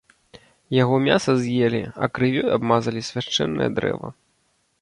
Яго мяса з'елі, а крывёй абмазалі свяшчэннае дрэва.